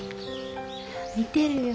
見てるよ。